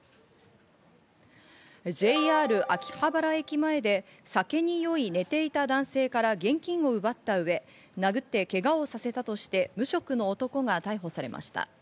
ＪＲ秋葉原駅前で、酒に酔い、寝ていた男性から現金を奪ったうえ殴ってけがをさせたとして無職の男が逮捕されました。